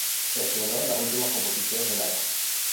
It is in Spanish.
Estrenó las últimas composiciones de Lara.